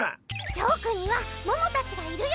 ジョーくんにはももたちがいるよ！